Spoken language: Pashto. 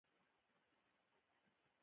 نباتات شنه دي.